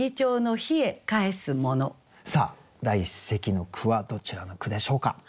さあ第一席の句はどちらの句でしょうか？